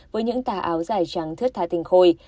với những tà áo dài trắng thớt thà tình khôi